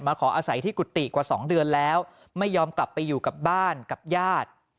ขออาศัยที่กุฏิกว่า๒เดือนแล้วไม่ยอมกลับไปอยู่กับบ้านกับญาติ